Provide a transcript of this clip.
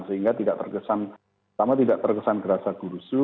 sehingga tidak terkesan sama tidak terkesan gerasa gurusu